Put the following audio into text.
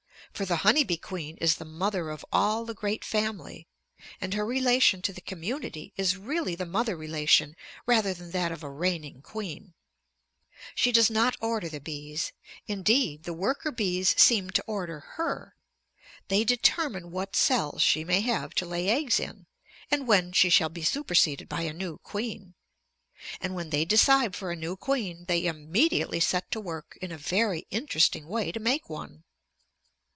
For the honey bee queen is the mother of all the great family, and her relation to the community is really the mother relation rather than that of a reigning queen. She does not order the bees; indeed, the worker bees seem to order her. They determine what cells she may have to lay eggs in and when she shall be superseded by a new queen. And when they decide for a new queen, they immediately set to work in a very interesting way to make one.